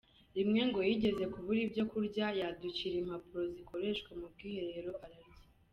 Rimwe ngo yigeze kubura ibyo kurya yadukira impapuro zikoreshwa mu bwiherero ararya.